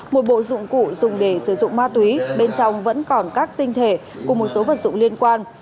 một bộ dụng cụ dùng để sử dụng ma túy bên trong vẫn còn các tinh thể cùng một số vật dụng liên quan